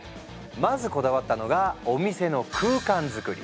まずこだわったのがお店の空間づくり。